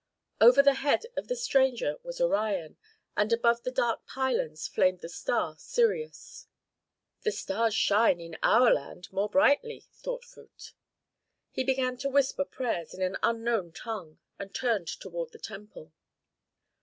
Over the head of the stranger was Orion, and above the dark pylons flamed the star Sirius. "The stars shine in our land more brightly," thought Phut. He began to whisper prayers in an unknown tongue, and turned toward the temple.